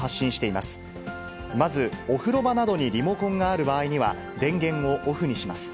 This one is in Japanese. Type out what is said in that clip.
まず、お風呂場などにリモコンがある場合には、電源をオフにします。